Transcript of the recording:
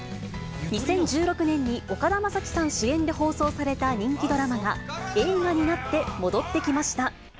２０１６年に、岡田将生さん主演で放送された人気ドラマが、映画になって戻ってきました。